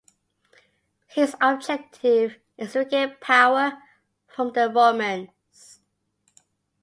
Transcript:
His objective is regain power from the Romans.